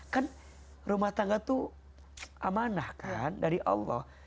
kan rumah tangga itu amanah kan dari allah